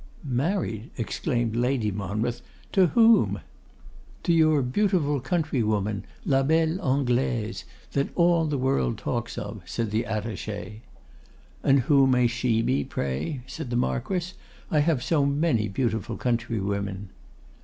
'Married!' exclaimed Lady Monmouth. 'To whom?' 'To your beautiful countrywoman, "la belle Anglaise," that all the world talks of,' said the Attaché. 'And who may she be, pray?' said the Marquess. 'I have so many beautiful countrywomen.